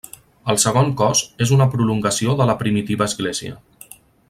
El segon cos és una prolongació de la primitiva església.